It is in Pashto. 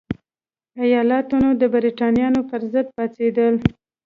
ایالتونه د برېټانویانو پرضد پاڅېدل.